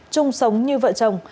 chung sống như vợ chồng